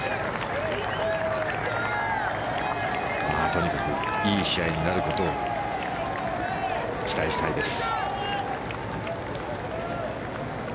とにかくいい試合になることを期待したいです。